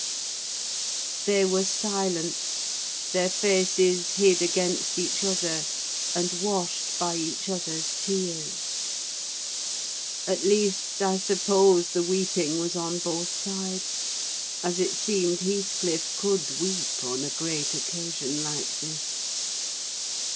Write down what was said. They were silent—their faces hid against each other, and washed by each other's tears. At least, I suppose the weeping was on both sides; as it seemed Heathcliff could weep on a great occasion like this.